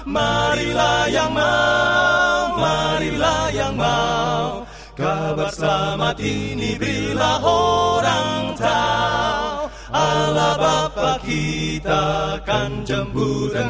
marilah siapa yang mau